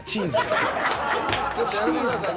ちょっとやめてください。